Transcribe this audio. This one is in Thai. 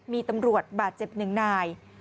มีตำรวจบาดเจ็บหนึ่งนาย